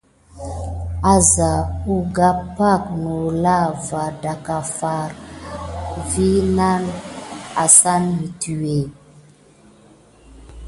Asa kuka pay nulà va tedafar winaga vi asane mituwé.